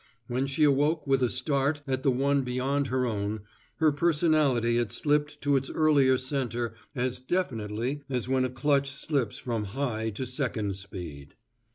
When she awoke with a start at the one beyond her own, her personality had slipped to its earlier center as definitely as when a clutch slips from high to second speed.